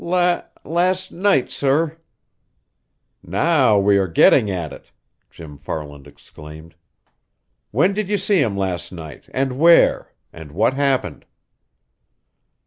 "La last night, sir." "Now we are getting at it!" Jim Farland exclaimed. "When did you see him last night, and where, and what happened?"